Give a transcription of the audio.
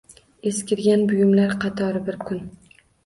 Eskirgan buyumlar qatori bir kun